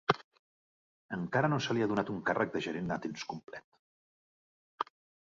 Encara no se li ha donat un càrrec de gerent a temps complet.